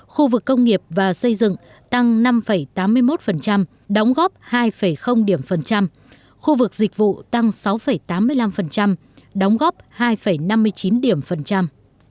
khu vực công nghiệp và xây dựng tăng năm tám mươi một đóng góp hai điểm phần trăm khu vực dịch vụ tăng sáu tám mươi năm đóng góp hai năm mươi chín điểm phần trăm